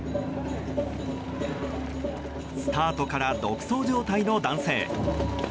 スタートから独走状態の男性。